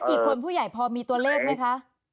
กี่คนผู้ใหญ่พอมีตัวเลขไหมคะ